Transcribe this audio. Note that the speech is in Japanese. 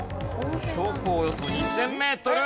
標高およそ２０００メートル。